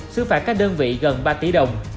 xứ phạt các đơn vị gần ba tỷ đồng